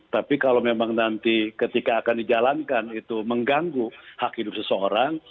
tapi kalau memang nanti ketika akan dijalankan itu mengganggu hak hidup seseorang